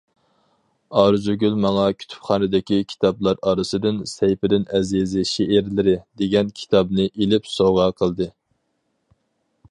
ئارزۇگۈل ماڭا كۇتۇپخانىدىكى كىتابلار ئارىسىدىن‹‹ سەيپىدىن ئەزىزى شېئىرلىرى›› دېگەن كىتابنى ئېلىپ سوۋغا قىلدى.